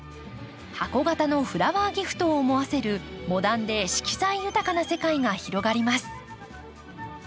箱形のフラワーギフトを思わせるモダンで色彩豊かな世界が広がります。